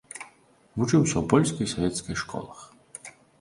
Вучыўся ў польскай і савецкай школах.